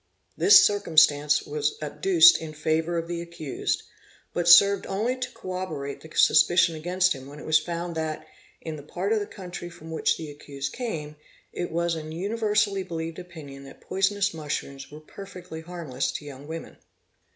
This circumstance was adduced in favour of the accused, but served only to corroborate the suspicion against him when it was found that, in the part of the country tom which the accused came, it was an universally believed opinion that : poisonous mushrooms were perfectly harmless to young women.